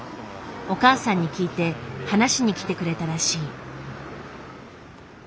お母さんに聞いて話しに来てくれたらしい。